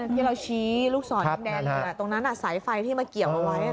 ที่เราชี้ลูกศรแดงอยู่ตรงนั้นสายไฟที่มาเกี่ยวเอาไว้